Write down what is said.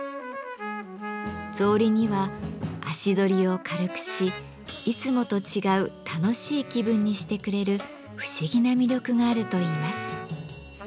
草履には足取りを軽くしいつもと違う楽しい気分にしてくれる不思議な魅力があるといいます。